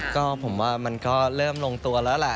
ก็ผมว่ามันก็เริ่มลงตัวแล้วแหละ